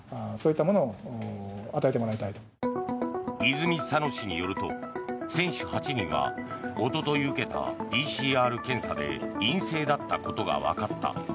泉佐野市によると選手８人はおととい受けたＰＣＲ検査で陰性だったことがわかった。